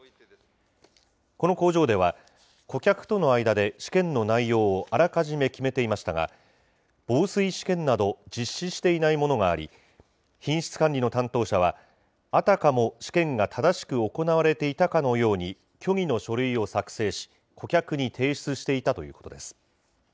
この工場では、顧客との間で試験の内容をあらかじめ決めていましたが、防水試験など、実施していないものがあり、品質管理の担当者は、あたかも試験が正しく行われていたかのように虚偽の書類を作成し、顧客に提出していたということです。